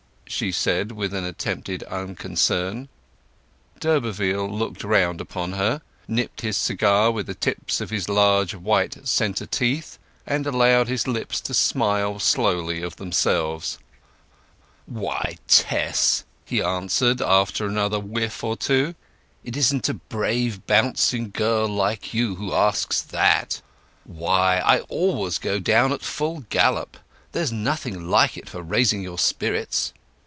she said with attempted unconcern. D'Urberville looked round upon her, nipped his cigar with the tips of his large white centre teeth, and allowed his lips to smile slowly of themselves. "Why, Tess," he answered, after another whiff or two, "it isn't a brave bouncing girl like you who asks that? Why, I always go down at full gallop. There's nothing like it for raising your spirits."